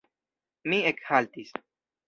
Mi ekhaltis.